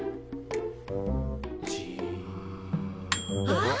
あっ！